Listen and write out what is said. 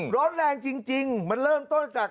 ร้อนแรงจริงมันเริ่มต้นจาก